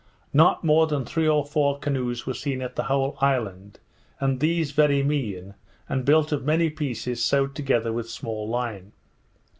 Not more than three or four canoes were seen on the whole island, and these very mean, and built of many pieces sewed together with small line.